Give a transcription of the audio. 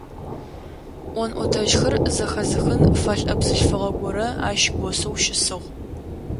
Ӏон-ӏотэжьхэр зэхэзыхын фэлӏэ бзылъфыгъэ горэ ащ госэу щысыгъ.